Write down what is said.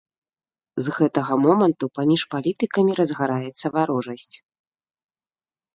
З гэтага моманту паміж палітыкамі разгараецца варожасць.